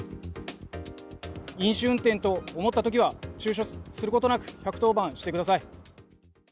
飲酒運転と思ったときは、ちゅうちょすることなく１１０番してください。